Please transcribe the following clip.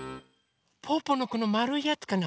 ぽぅぽのこのまるいやつかな？